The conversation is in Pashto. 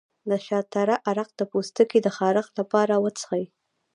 د شاه تره عرق د پوستکي د خارښ لپاره وڅښئ